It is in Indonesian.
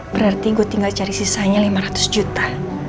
berarti gue tinggal cari sisanya lima ratus juta